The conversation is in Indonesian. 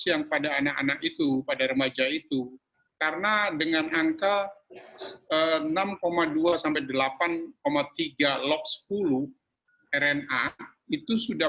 yang pada anak anak itu pada remaja itu karena dengan angka enam dua sampai delapan tiga log sepuluh rna itu sudah